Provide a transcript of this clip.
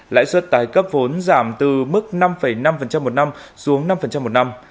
lãi suất tái cấp vốn giảm từ mức năm năm một năm xuống năm một năm